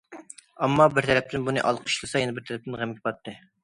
ئامما بىر تەرەپتىن بۇنى ئالقىشلىسا، يەنە بىر تەرەپتىن غەمگە پاتتى.